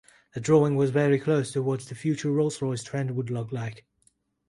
The drawing was very close to what the future Rolls-Royce Trent would look like.